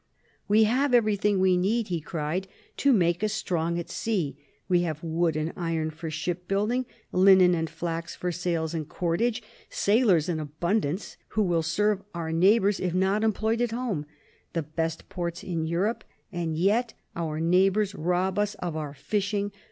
" We have everything we need," he cried, " to make us strong at sea. We have wood and iron for ship building, linen and flax for sails and cordage ; sailors in abundance, who will serve our neighbours if not employed at home ; the best ports in Europe ... and yet our neighbours rob us of our fishing